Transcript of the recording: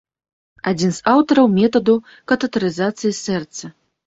Адзін з аўтараў метаду катэтарызацыі сэрца.